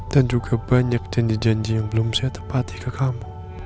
dan juga banyak janji janji yang belum saya tepati ke kamu